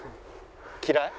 嫌い？